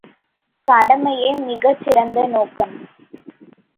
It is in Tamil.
கடமையே மிகச்சிறந்த நோக்கம்.